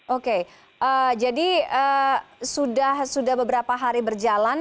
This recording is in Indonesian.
oke jadi sudah beberapa hari berjalan